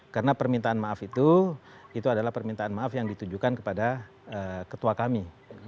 karena permintaan maaf itu itu adalah permintaan maaf yang ditujukan kepada ketua kami